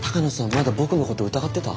まだ僕のこと疑ってた？